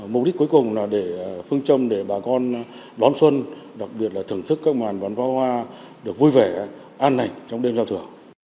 mục đích cuối cùng là để phương châm để bà con đón xuân đặc biệt là thưởng thức các màn bắn phá hoa được vui vẻ an hành trong đêm giao thừa